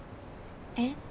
えっ？